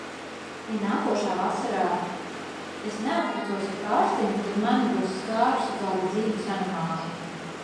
Ja nākošā vasarā es neapprecos ar Pārsliņu, tad mani būs skārusi kāda dzīves anomālija!